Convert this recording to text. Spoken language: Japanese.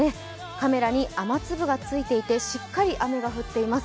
カメラに雨粒がついていてしっかり雨が降っています。